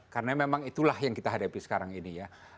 karena memang itulah yang kita hadapi sekarang ini